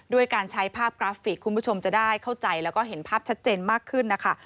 ด้วยการใช้ภาพกราฟิกคุณผู้ชมจะได้เข้าใจแล้วก็เห็นภาพชัดเจนมากขึ้นนะคะ